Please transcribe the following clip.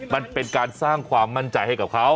มันเป็นการสร้างความมั่นใจให้กับเขา